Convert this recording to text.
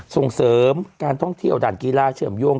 ส่งเสริมการท่องเที่ยวด่านกีฬาเชื่อมโยง